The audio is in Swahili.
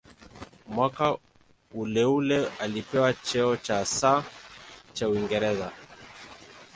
Mwaka uleule alipewa cheo cha "Sir" cha Uingereza.